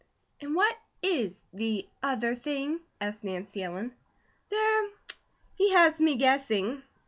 "And what is 'the other thing?'" asked Nancy Ellen. "There he has me guessing.